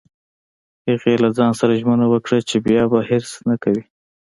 هغې له ځان سره ژمنه وکړه چې بیا به حرص نه کوي